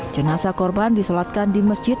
jenasa korban diselatkan di masjid